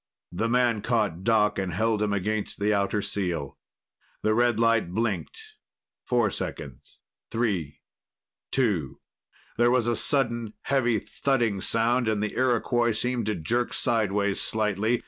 The man caught Doc and held him against the outer seal. The red light blinked. Four seconds ... three ... two.... There was a sudden heavy thudding sound, and the Iroquois seemed to jerk sideways slightly.